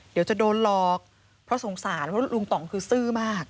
เดี๋ยวจะโดนหลอกเพราะสงสารเพราะลุงต่องคือซื่อมาก